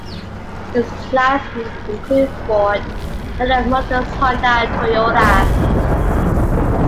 Its clients include Ford, General Motors, Honda, and Toyota.